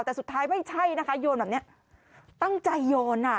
แต่สุดท้ายไม่ใช่นะคะโยนแบบเนี้ยตั้งใจโยนอ่ะ